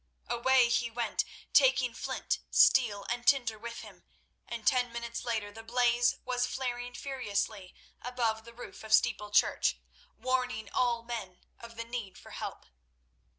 Away he went, taking flint, steel, and tinder with him, and ten minutes later the blaze was flaring furiously above the roof of Steeple Church, warning all men of the need for help.